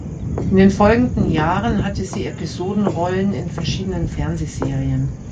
In den folgenden Jahren hatte sie Episodenrollen in verschiedenen Fernsehserien.